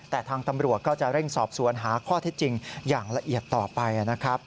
แต่ทางตำรวจก็จะเร่งสอบสวนหาข้อเท็จจริงอย่างละเอียดต่อไปนะครับ